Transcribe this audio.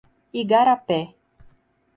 Igarapé